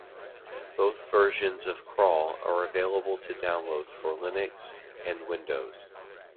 Both versions of Crawl are available to download for Linux, and Windows